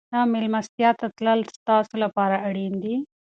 آیا مېلمستیا ته تلل ستاسو لپاره اړین دي؟